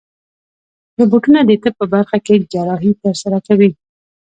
روبوټونه د طب په برخه کې جراحي ترسره کوي.